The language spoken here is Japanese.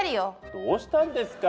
どうしたんですか？